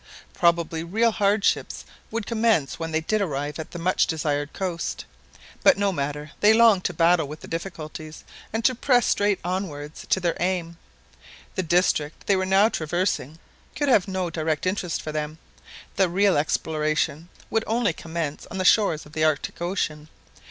Probably real hardships would commence when they did arrive at the much desired coast. But no matter, they longed to battle with difficulties, and to press straight onwards to their aim. The district they were now traversing could have no direct interest for them; the real exploration would only commence on the shores of the Arctic Ocean.